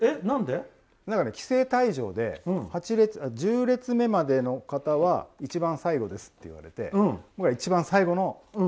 規制退場で１０列目までの方は一番最後ですって言われて僕ら一番最後の。